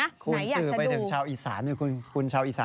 ไหนอยากจะดูคุณซื้อไปถึงชาวอีสานด้วยคุณชาวอีสาน